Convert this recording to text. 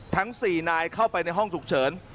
ทั้ง๔นายเข้าไปในห้องฉุกเฉิน